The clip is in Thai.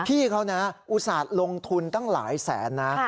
พี่เขานะอุตส่าห์ลงทุนตั้งหลายแสนนะ